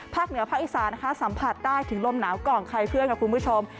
พักเหนือพักอีศาลสัมผัสได้ถึงลมหนาวกล่องไข่เพื่อนกับคุณผู้ชม